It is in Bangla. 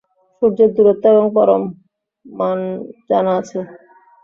সূর্যের দূরত্ব এবং পরম মান জানা আছে।